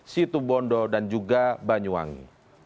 situbondo dan juga banyuwangi